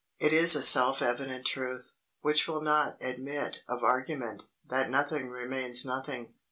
It is a self evident truth, which will not admit of argument, that nothing remains nothing.